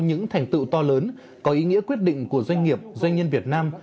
những thành tựu to lớn có ý nghĩa quyết định của doanh nghiệp doanh nhân việt nam